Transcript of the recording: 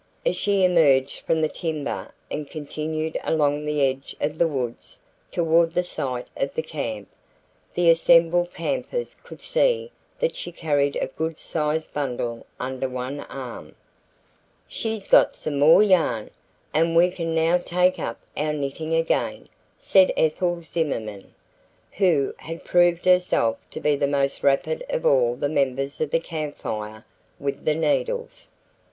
As she emerged from the timber and continued along the edge of the woods toward the site of the camp, the assembled campers could see that she carried a good sized bundle under one arm. "She's got some more yarn, and we can now take up our knitting again," said Ethel Zimmerman, who had proved herself to be the most rapid of all the members of the Camp Fire with the needles.